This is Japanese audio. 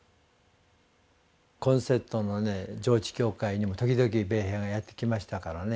コンセットの上地教会にも時々米兵がやって来ましたからね